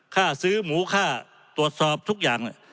ซื้อหมูค่าตรวจสอบทุกอย่าง